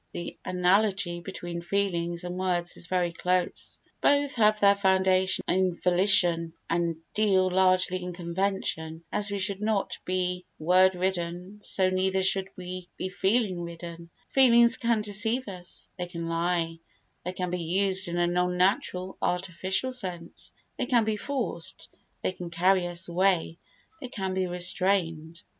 The analogy between feelings and words is very close. Both have their foundation in volition and deal largely in convention; as we should not be word ridden so neither should we be feeling ridden; feelings can deceive us; they can lie; they can be used in a non natural, artificial sense; they can be forced; they can carry us away; they can be restrained.